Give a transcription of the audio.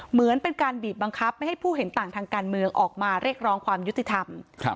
เหมือนเป็นการบีบบังคับไม่ให้ผู้เห็นต่างทางการเมืองออกมาเรียกร้องความยุติธรรม